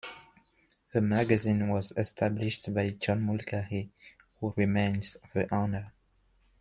The magazine was established by John Mulcahy, who remains the owner.